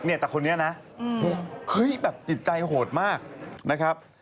แต่คนนี้นะเฮ้ยแบบจิตใจโหดมากนะครับ